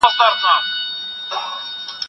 د پسه به لوی خرږی و